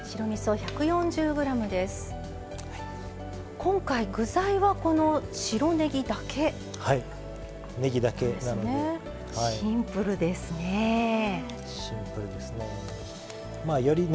今回、具材はこの白ねぎだけなんですよね。